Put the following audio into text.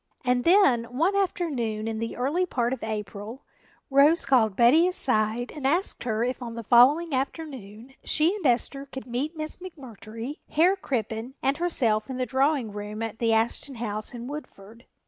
And then one afternoon in the early part of April, Rose called Betty aside and asked her if on the following afternoon she and Esther could meet Miss McMurtry, Herr Crippen and herself in the drawing room at the Ashton house in Woodford.